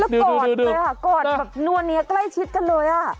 แล้วกอดเลยค่ะกอดแบบนัวเนียใกล้ชิดกันเลยอ่ะ